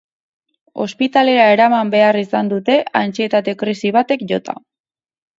Ospitalera eraman behar izan dute, antsietate krisi batek jota.